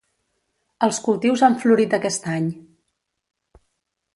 Els cultius han florit aquest any.